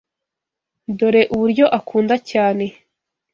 Dore uburyo akunda cyane.